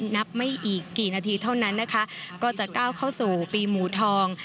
นับไม่อีกกี่นาทีเท่านั้นนะคะก็จะก้าวเข้าสู่ปีหมูทอง